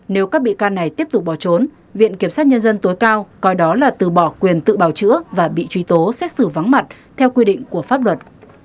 nếu các bị can này tiếp tục bỏ trốn viện kiểm sát nhân dân tối cao coi đó là từ bỏ quyền tự bào chữa và bị truy tố xét xử vắng mặt theo quy định của pháp luật